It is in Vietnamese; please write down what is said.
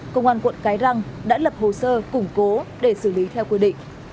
công an quận cái răng đã lập hồ sơ củng cố để xử lý theo quy định